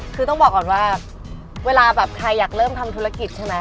คือต้องบอกก่อนว่าเวลาแบบใครอยากเริ่มทำธุรกิจใช่ไหม